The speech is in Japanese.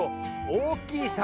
おおきい